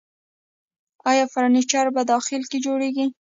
آیا فرنیچر په داخل کې جوړیږي؟